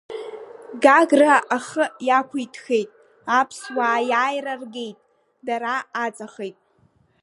Гагра ахы иақәиҭхеит, аԥсуаа Аиааира ргеит, дара аҵахеит.